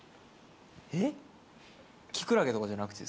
えっ？